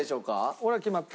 俺は決まった。